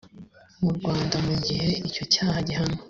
mu rwanda mu gihe icyo cyaha gihanwa